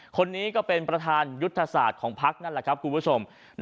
คนนี้ก็เป็นประธานยุทธศาสตร์ของพักนั่นแหละครับคุณผู้ชม